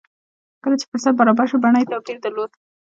کله چې فرصت برابر شو بڼه يې توپير درلود.